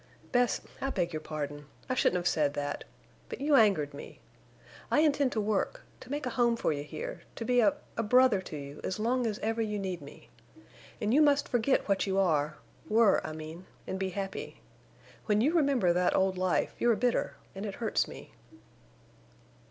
"Bess, I beg your pardon. I shouldn't have said that. But you angered me. I intend to work—to make a home for you here—to be a—a brother to you as long as ever you need me. And you must forget what you are—were—I mean, and be happy. When you remember that old life you are bitter, and it hurts me."